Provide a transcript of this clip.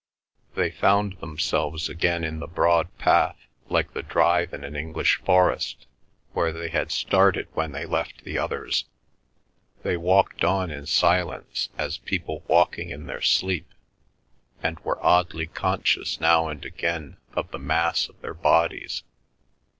They found themselves again in the broad path, like the drive in the English forest, where they had started when they left the others. They walked on in silence as people walking in their sleep, and were oddly conscious now and again of the mass of their bodies.